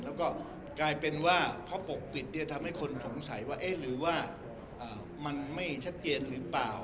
แล้วก็กลายเป็นว่าเพราะปกปิดทำให้คนสงสัยว่าเอ๊ะหรือว่ามันไม่ชัดเจนหรือเปล่า